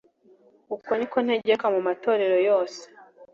uko ni ko ntegeka mu matorero yose